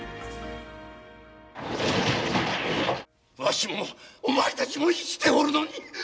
わしもお前たちも生きておるのに！